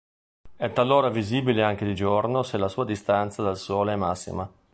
È talora visibile anche di giorno se la sua distanza dal sole è massima.